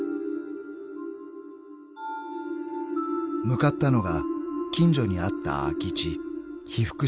［向かったのが近所にあった空き地］